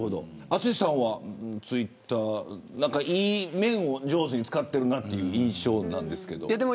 淳さんはツイッターのいい面を上手に使っている印象なんですけれど。